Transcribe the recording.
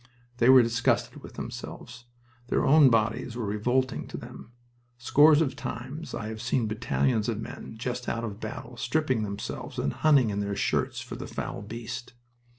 They were disgusted with themselves. Their own bodies were revolting to them. Scores of times I have seen battalions of men just out of battle stripping themselves and hunting in their shirts for the foul beast.